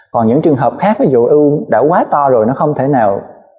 còn những trường hợp khác ví dụ u đã quá to rồi nó không thể nào